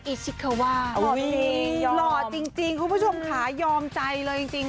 อิชิเคาว่าเฮ้ยหล่อจริงคุณผู้ชมขายอมใจเลยจริง